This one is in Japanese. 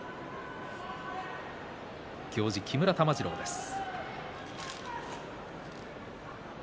行司木村玉治郎です。